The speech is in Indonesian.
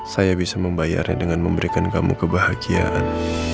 saya bisa membayarnya dengan memberikan kamu kebahagiaan